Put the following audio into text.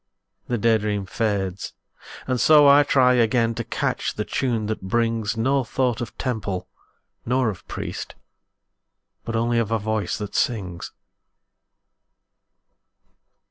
The day dream fades and so I try Again to catch the tune that brings No thought of temple nor of priest, But only of a voice that sings.